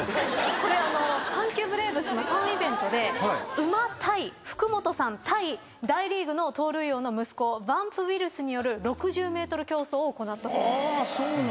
これ阪急ブレーブスのファンイベントで馬対福本さん対大リーグの盗塁王の息子バンプ・ウィルスによる６０ｍ競走を行ったそうなんです。